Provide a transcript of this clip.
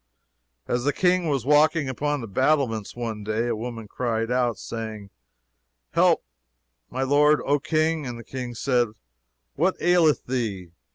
As the King was walking upon the battlements one day, "a woman cried out, saying, Help, my lord, O King! And the King said, What aileth thee?